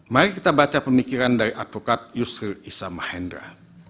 mari kita baca pemikiran dari advokat yusril isamahendra